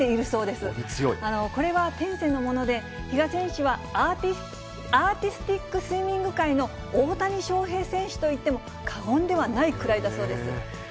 これは天性のもので、比嘉選手は、アーティスティックスイミング界の大谷翔平選手といっても過言ではないくらいだそうです。